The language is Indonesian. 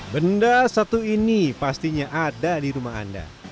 benda satu ini pastinya ada di rumah anda